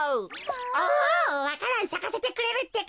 おわか蘭さかせてくれるってか。